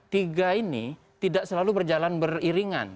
tiga ini tidak selalu berjalan beriringan